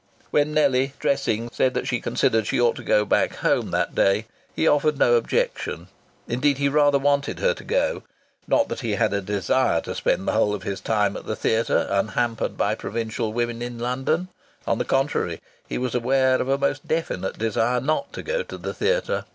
When Nellie, dressing, said that she considered she ought to go back home that day, he offered no objection. Indeed he rather wanted her to go. Not that he had a desire to spend the whole of his time at the theatre, unhampered by provincial women in London. On the contrary, he was aware of a most definite desire not to go to the theatre.